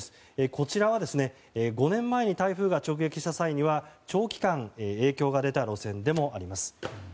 こちらは、５年前に台風が直撃した際は長期間影響が出たところでもあります。